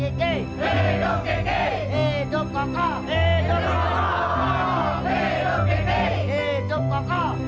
hei dokter kakak